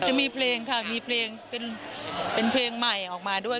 จะมีเพลงค่ะมีเพลงเป็นเพลงใหม่ออกมาด้วย